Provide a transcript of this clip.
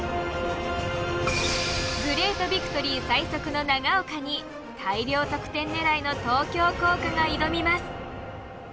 グレートビクトリー最速の長岡に大量得点狙いの東京工科が挑みます。